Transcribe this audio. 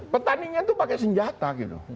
petaninya itu pakai senjata gitu